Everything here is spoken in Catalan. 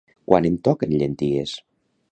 Quan em toquen llenties?